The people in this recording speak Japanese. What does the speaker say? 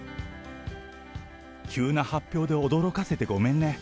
急な発表で驚かせてごめんね。